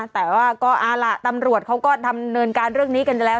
แต่ว่าก็เอาล่ะตำรวจเขาก็ดำเนินการเรื่องนี้กันแล้ว